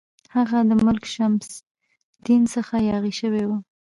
هغه د ملک شمس الدین څخه یاغي شوی وو.